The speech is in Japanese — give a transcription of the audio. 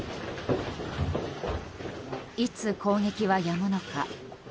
いつ攻撃はやむのか。